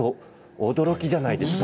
驚きじゃないですか？